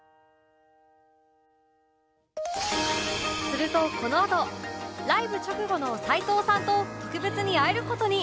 するとこのあとライブ直後の齊藤さんと特別に会える事に